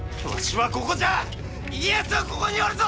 家康はここにおるぞ！